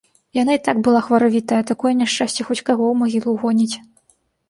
Яна і так была хваравітая, а такое няшчасце хоць каго ў магілу ўгоніць.